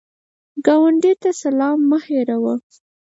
ګاونډي ته سلام مه هېروه